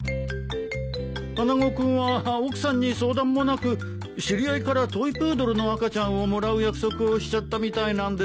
穴子君は奥さんに相談もなく知り合いからトイプードルの赤ちゃんをもらう約束をしちゃったみたいなんです。